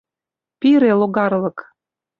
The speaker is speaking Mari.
Пире логарлык...